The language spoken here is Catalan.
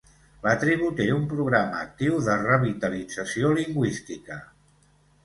La tribu té un programa actiu de revitalització lingüística.